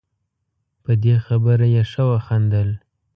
په دې خبره یې ښه وخندل.